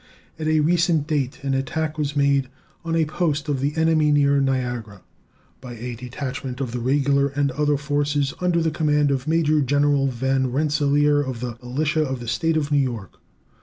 At a recent date an attack was made on a post of the enemy near Niagara by a detachment of the regular and other forces under the command of Major General Van Rensselaer, of the militia of the State of New York.